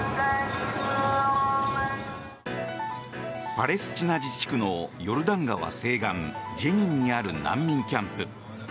パレスチナ自治区のヨルダン川西岸ジェニンにある難民キャンプ。